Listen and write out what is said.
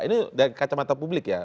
ini dari kacamata publik ya